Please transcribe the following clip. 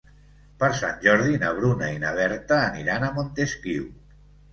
Per Sant Jordi na Bruna i na Berta aniran a Montesquiu.